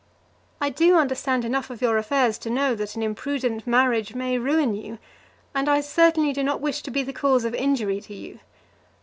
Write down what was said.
I do understand enough of your affairs to know that an imprudent marriage may ruin you, and I certainly do not wish to be the cause of injury to you.